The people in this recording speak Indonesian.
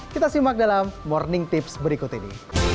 kita simak dalam morning tips berikut ini